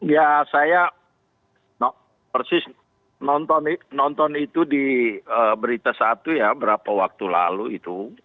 ya saya persis nonton itu di berita satu ya berapa waktu lalu itu